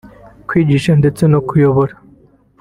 kwigisha ndetse no kuyobora